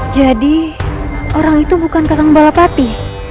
jadi orang itu bukan kakam balapati